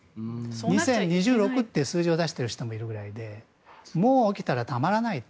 ２０２６という数字を出している人もいるくらいでもう起きたらたまらないと。